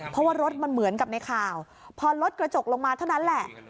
เพราะว่ารถมันเหมือนกับในข่าวพอรถกระจกลงมาเท่านั้นแหละ